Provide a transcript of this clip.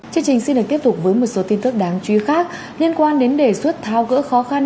chương trình xin được tiếp tục với một số tin tức đáng chú ý khác liên quan đến đề xuất thao gỡ khó khăn